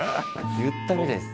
言ったみたいです。